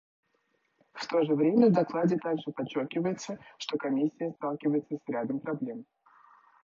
В то же время в докладе также подчеркивается, что Комиссия сталкивается с рядом проблем.